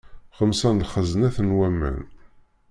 Xemsa n lxeznat n waman.